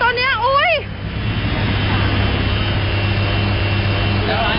โอ๊ยน่ากลัวอันนี้สดเลย